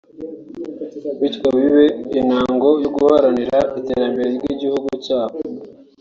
bityo bibe intango yo guharanira iterambere ry’igihugu cyabo